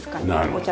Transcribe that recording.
お茶